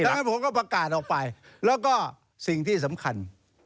ดังนั้นผมก็ประกาศออกไปแล้วก็สิ่งที่สำคัญ